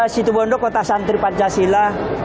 situbondo kota santri pancasila